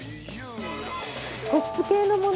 保湿系のもの